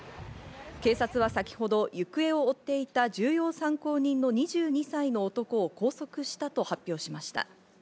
警察は先ほど行方を追っていた重要参考人の２２歳の男を拘束したと発表しました。